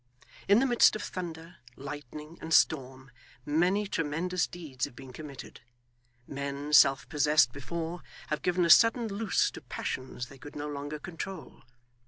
In the midst of thunder, lightning, and storm, many tremendous deeds have been committed; men, self possessed before, have given a sudden loose to passions they could no longer control.